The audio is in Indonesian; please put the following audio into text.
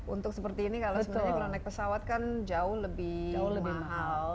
untuk seperti ini kalau sebenarnya kalau naik pesawat kan jauh lebih mahal